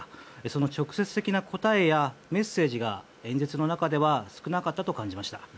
その直接的な答えやメッセージが演説の中では少なかったと感じました。